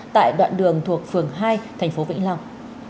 tại đoạn đường thuộc phường hai tp vĩnh long